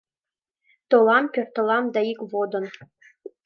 Толам, пӧртылам да ик водын